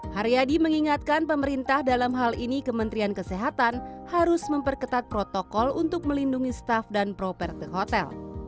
haryadi mengingatkan pemerintah dalam hal ini kementerian kesehatan harus memperketat protokol untuk melindungi staff dan properti hotel